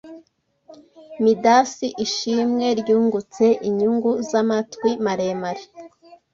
Midasi ishimwe ryungutse inyungu zamatwi maremare